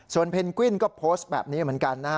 ส่วนเพนกวินก็โพสต์แบบนี้เหมือนกัน